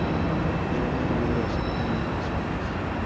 Eran herbívoros y tenían pezuñas.